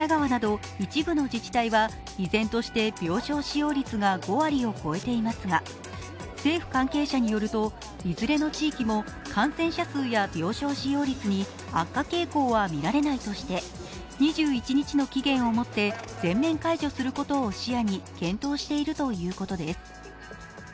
現在適用されている１８都道府県のうち大阪や神奈川など一部の自治体は依然として病床使用率が５割を超えていますが政府関係者によると、いずれの地域も感染者数や病床使用率に悪化傾向はみられないとして２１日の期限をもって全面解除することを視野に検討しているということです。